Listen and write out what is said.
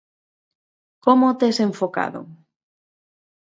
Como o tes enfocado?